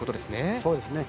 そうですね。